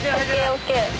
「ＯＫ！